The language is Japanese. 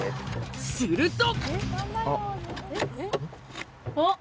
すると！